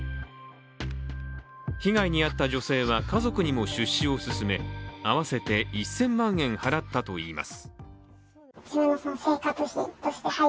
被害に遭った女性は家族にも出資を勧め、合わせて１０００万円払ったといいます。